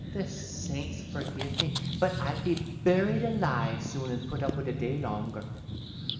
The saints forgive me, but I'd be buried alive soon 'n put up wid a day longer.